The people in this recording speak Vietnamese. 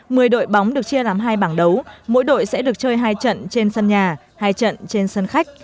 mười đội bóng được chia làm hai bảng đấu mỗi đội sẽ được chơi hai trận trên sân nhà hai trận trên sân khách